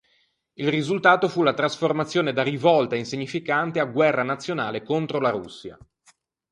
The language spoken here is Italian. Il risultato fu la trasformazione da rivolta insignificante a guerra nazionale contro la Russia.